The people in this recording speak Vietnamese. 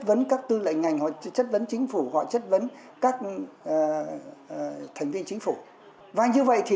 vấn các tư lệnh ngành họ chất vấn chính phủ họ chất vấn các thành viên chính phủ và như vậy thì